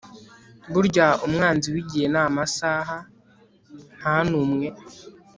Burya umwanzi wigihe namasaha ntanumwe